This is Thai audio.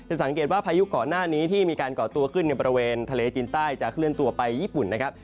สังเกตว่าพายุก่อนหน้านี้ที่มีการก่อตัวขึ้นในบริเวณทะเลจีนใต้จะเคลื่อนตัวไปญี่ปุ่นนะครับ